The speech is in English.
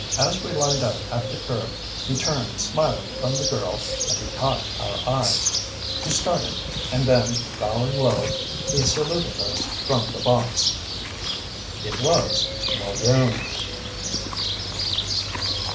As we lined up at the curb he turned smiling from the girl and he caught our eyes. He started, and then, bowing low, he saluted us from the box. It was "Muldoon."